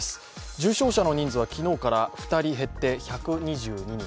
重症者の人数は昨日から２人減って１２２人。